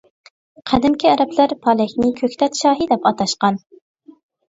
قەدىمكى ئەرەبلەر پالەكنى كۆكتات شاھى دەپ ئاتاشقان.